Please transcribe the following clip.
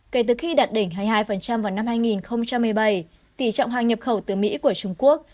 kể từ khi đạt đỉnh hai mươi hai vào năm hai nghìn một mươi bảy tỷ trọng hàng nhập khẩu từ mỹ của trung quốc